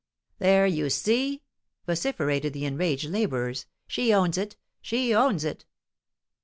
"There you see!" vociferated the enraged labourers. "She owns it! she owns it!"